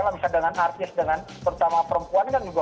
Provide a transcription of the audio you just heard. misalnya dengan artis dengan terutama perempuan kan juga